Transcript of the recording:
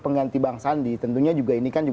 pengganti bang sandi tentunya juga ini kan